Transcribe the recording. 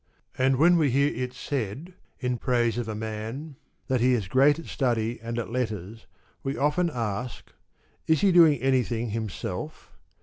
And when we hear it said, in praise of a man, that he is great at study and at letters, we often ask * Is he doing anything himself